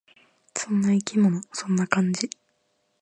そんな生き物。そんな感じ。